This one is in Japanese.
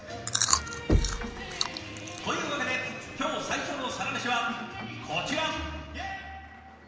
というわけで今日最初のサラメシはこちら！